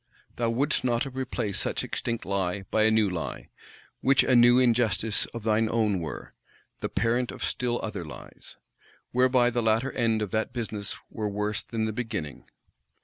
Thou wouldst not replace such extinct Lie by a new Lie, which a new Injustice of thy own were; the parent of still other Lies? Whereby the latter end of that business were worse than the beginning.